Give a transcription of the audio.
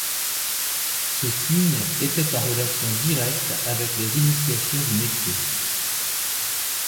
Ce signe était en relation directe avec les initiations du métier.